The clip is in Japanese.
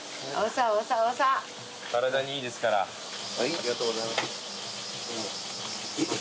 ありがとうございます。